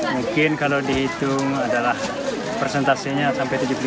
mungkin kalau dihitung adalah persentasenya sampai tujuh puluh lima